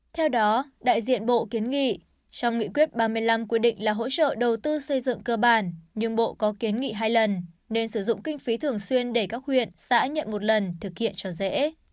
theo đó đại diện bộ kiến nghị trong nghị quyết ba mươi năm quy định là hỗ trợ đầu tư xây dựng cơ bản nhưng bộ có kiến nghị hai lần nên sử dụng kinh phí thường xuyên để các huyện xã nhận một lần thực hiện cho dễ